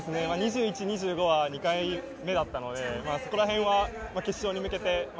２１、２５は２回目だったのでそこらへんは決勝に向けて。